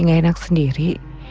aku jadi gak enak sendiri